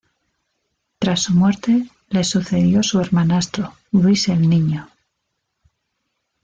Tras su muerte le sucedió su hermanastro Luis el Niño